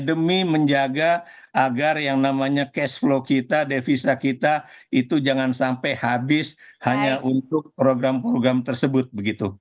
demi menjaga agar yang namanya cash flow kita devisa kita itu jangan sampai habis hanya untuk program program tersebut begitu